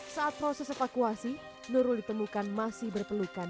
saat proses evakuasi nurul ditemukan masih berpelukan